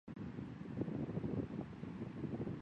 叙利亚自由军大部分由叙政府军的逃兵组成。